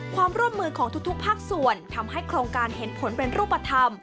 ความร่วมมือของทุกภาคส่วนทำให้โครงการเห็นผลเป็นรูปธรรม